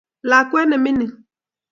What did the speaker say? lakwet nemining